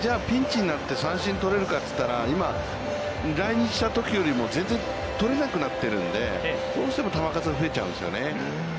じゃあピンチになって三振取れるかといったら、今、来日したときよりも全然取れなくなっているので、どうしても球数が増えちゃうんですよね。